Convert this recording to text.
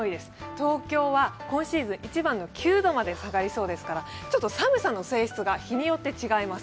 東京は今シーズン一番の９度まで下がりそうですからちょっと寒さの性質が日によって違います。